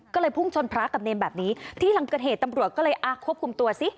ก็เลยพุ่งชนพระกับเนรแบบนี้ที่หลังเกิดเหตุตำรวจก็เลยอ่ะควบคุมตัวสิ